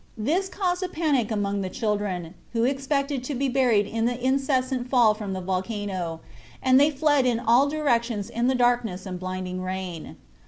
This caused a panic among the children, who expected to be buried in the incessant fall from the volcano, and they fled in all directions in the darkness and blinding rain.